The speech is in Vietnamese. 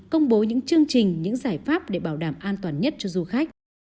công bố những chương trình những giải pháp để bảo đảm an toàn nhất cho du khách